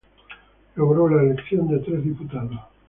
Logró la elección de tres diputados.